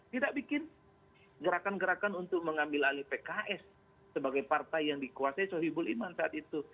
tidak bikin gerakan gerakan untuk mengambil alih pks sebagai partai yang dikuasai sohibul iman saat itu